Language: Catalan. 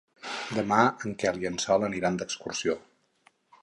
Demà en Quel i en Sol aniran d'excursió.